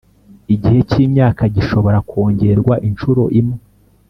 Igihe cy imyaka gishobora kongerwa inshuro imwe